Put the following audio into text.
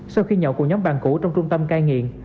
sau khi nhậu cùng nhóm bạn cũ trong trung tâm cai nghiện